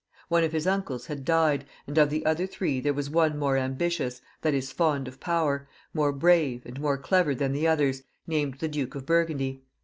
One of his uncles had died, and of the other three there was one more ambitious — ^that is, fond of power — more brave, and more clever than the others, named the Duke of Burgundy.